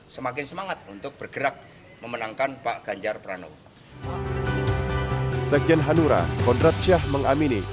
sekjen hanura kondrat syah mengamini